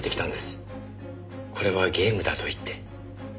これはゲームだと言って。